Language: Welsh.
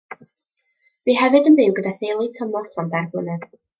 Bu hefyd yn byw gyda theulu Thomas am dair blynedd.